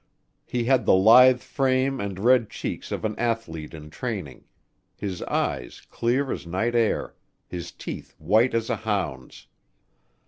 He had the lithe frame and red cheeks of an athlete in training his eyes clear as night air, his teeth white as a hound's.